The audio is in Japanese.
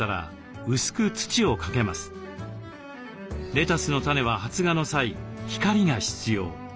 レタスの種は発芽の際光が必要。